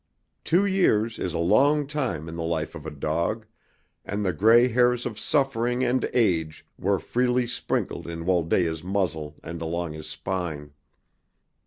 Two years is a long time in the life of a dog, and the gray hairs of suffering and age were freely sprinkled in Wholdaia's muzzle and along his spine.